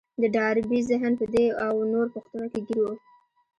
د ډاربي ذهن په دې او نورو پوښتنو کې ګير و.